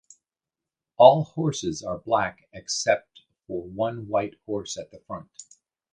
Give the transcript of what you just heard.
All horses are black except for one white horse at the front.